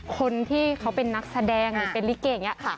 คนที่เขาเป็นนักแสดงเป็นลิกเก่งอย่างนี้